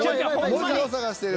文字を探してる。